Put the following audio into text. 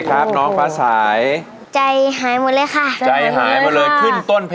หากพามาได้แต่อย่าให้สวยเกิน